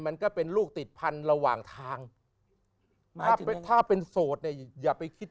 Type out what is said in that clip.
มันก็เป็นลูกติดพันธุ์ระหว่างทางถ้าถ้าเป็นโสดเนี่ยอย่าไปคิด